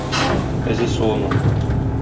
Эзе суыну.